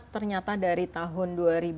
ternyata dari tahun dua ribu tujuh belas